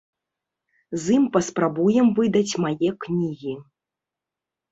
З ім паспрабуем выдаць мае кнігі.